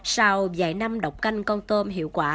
sau vài năm độc canh con tôm hiệu quả